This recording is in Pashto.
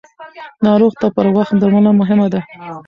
ناروغ ته پر وخت درملنه مهمه ده.